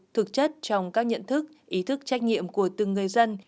thực chất trong các nhận thức ý thức trách nhiệm của từng người dân